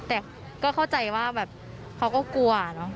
แต่เข้าใจว่าเขาก็กลัว